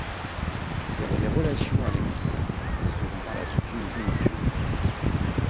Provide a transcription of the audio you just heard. Ses relations avec Finn seront par la suite tumultueuses.